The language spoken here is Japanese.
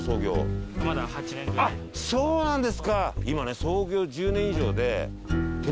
あっそうなんですか。